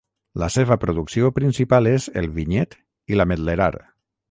La seva producció principal és el vinyet i l'ametlerar.